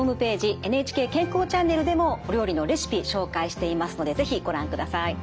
ＮＨＫ健康チャンネルでもお料理のレシピ紹介していますので是非ご覧ください。